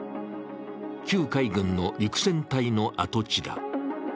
旧海軍の陸戦隊の跡地だ。